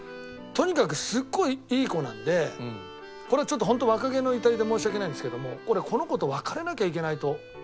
とにかくすっごいいい子なんでこれはちょっとホント若気の至りで申し訳ないんですけども俺この子と別れなきゃいけないと思ったわけ。